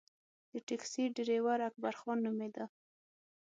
د ټیکسي ډریور اکبرخان نومېده.